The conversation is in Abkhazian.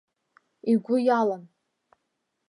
Игәы иалан.